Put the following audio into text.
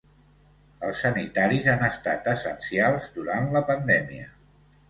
Els sanitaris han estat essencials durant la pandèmia.